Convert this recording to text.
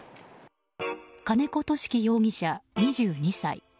金子知月容疑者、２２歳。